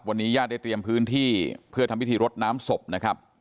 วันนี้ญาติได้เตรียมพื้นที่เพื่อทำพิธีรดน้ำศพนะครับ